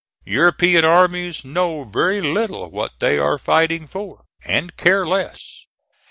European armies know very little what they are fighting for, and care less.